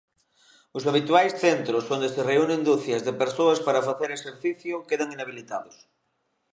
Os habituais centros onde se reúnen ducias de persoas para facer exercicio quedan inhabilitados.